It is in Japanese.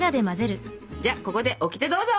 じゃあここでオキテどうぞ！